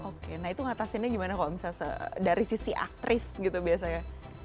oke nah itu ngatasinnya gimana kalau misalnya dari sisi aktris gitu biasanya